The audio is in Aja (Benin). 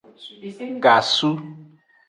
Gasu.